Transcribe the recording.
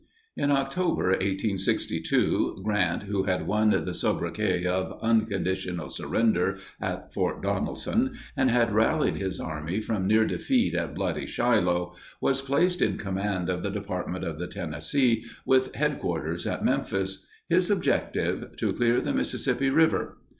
In October 1862, Grant, who had won the sobriquet of "Unconditional Surrender" at Fort Donelson and had rallied his army from near defeat at bloody Shiloh, was placed in command of the Department of the Tennessee with headquarters at Memphis; his objective—to clear the Mississippi River.